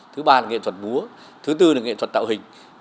thứ ba là nghệ thuật múa thứ tư là nghệ thuật tạo hình